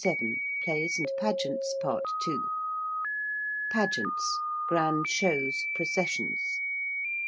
PLAYS AND PAGEANTS. PART II. ~Pageants~: grand shows, processions.